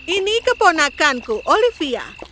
ini keponakanku olivia